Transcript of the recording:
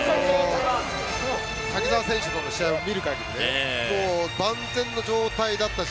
瀧澤選手との試合を見る限り万全の状態だったし。